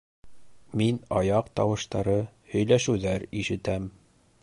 Мин аяҡ тауыштары, һөйләшеүҙәр ишетәм.